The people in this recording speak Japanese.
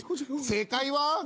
正解は。